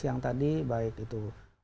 yang tadi baik itu